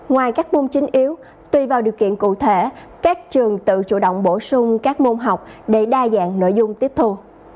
ngoài các môn chính yếu tùy vào điều kiện cụ thể các trường tự chủ động bổ sung các môn học để đa dạng nội dung tiếp thu